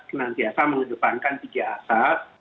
kenang kenang mengejapankan tiga asas